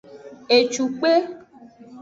Ecukpe.